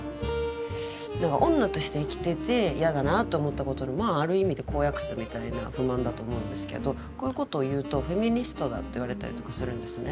女として生きてて嫌だなぁと思ったことのある意味で公約数みたいな不満だと思うんですけどこういうことを言うと「フェミニストだ」って言われたりとかするんですね。